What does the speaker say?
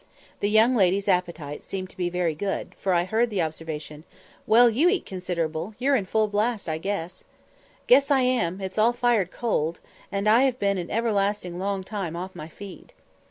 The young ladies' appetites seemed to be very good, for I heard the observation, "Well, you eat considerable; you're in full blast, I guess." "Guess I am: its all fired cold, and I have been an everlastin long time off my feed."